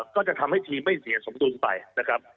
ก็จะทำให้ทีมไม่เสียสมดุลไปนะครับ